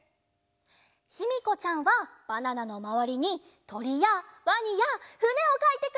ひみこちゃんはバナナのまわりにとりやワニやふねをかいてくれました！